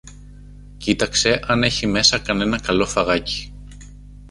κοίταξε αν έχει μέσα κανένα καλό φαγάκι.